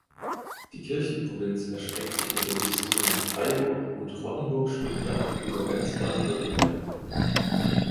Die Kirchenprovinz erstreckt sich mit den Bistümern "Freiburg" und "Rottenburg-Stuttgart" über ganz Baden-Württemberg.